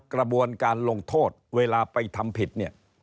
กระบวนการลงโทษเวลาไปทำผิดเนี่ย